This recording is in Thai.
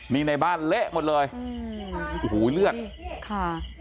นี่ในบ้านเละหมดเลยอืมโอ้โหเลือดค่ะ